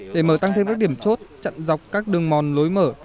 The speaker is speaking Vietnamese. để mở tăng thêm các điểm chốt chặn dọc các đường mòn lối mở